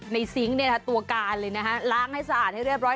ซิงค์ตัวการเลยนะฮะล้างให้สะอาดให้เรียบร้อย